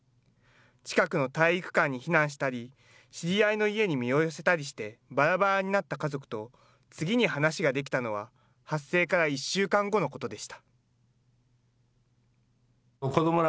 近くの体育館に避難したり、知り合いの家に身を寄せたりして、ばらばらになった家族と、次に話ができたのは、発生から１週間後のことでした。